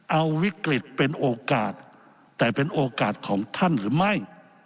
เอาวิกฤตเป็นโอกาสแต่เป็นโอกาสของท่านหรือไม่